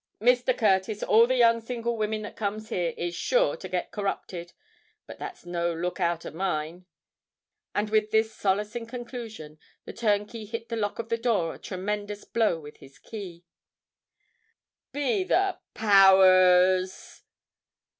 Mr. Curtis: all the young single women that comes here, is sure to get corrupted. But that's no look out of mine;"—and with this solacing conclusion, the turnkey hit the lock of the door a tremendous blow with his key. "Be the power rs!